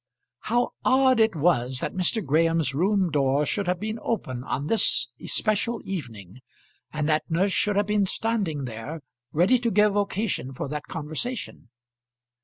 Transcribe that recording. How odd it was that Mr. Graham's room door should have been open on this especial evening, and that nurse should have been standing there, ready to give occasion for that conversation!